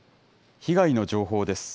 被害の情報です。